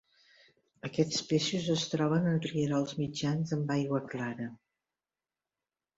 Aquests peixos es troben en rierols mitjans amb aigua clara.